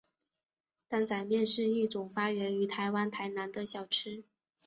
担仔面是一种发源于台湾台南的小吃。